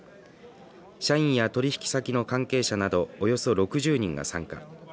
社員や取引先の関係者などおよそ６０人が参加。